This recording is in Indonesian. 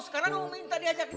sekarang mau minta diajakin